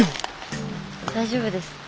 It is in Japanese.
大丈夫です。